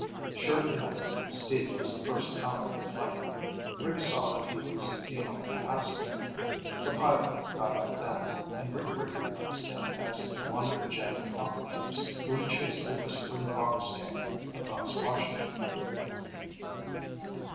Sure enough, Steve was the first out of the plane. Rick saw that he was the only passenger. The pilot got out then, and Rick recognized him as one of the JANIG operatives who had chased the Whispering Box gang across Washington.